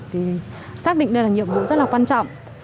thì xác định đây là nhiệm vụ rất là quan trọng